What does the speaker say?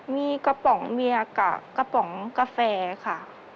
มีกระป๋องเบียร์กับกระป๋องกาแฟค่ะ